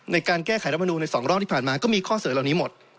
ในการแก้ไขรัฐมนูลใน๒รอบที่ผ่านมาก็มีข้อเสนอเหล่านี้หมด